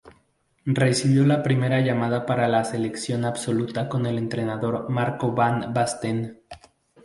Recibió la primera llamada para la selección absoluta con el entrenador Marco van Basten.